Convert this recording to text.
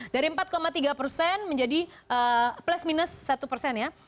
dari empat tiga persen menjadi plus minus satu persen ya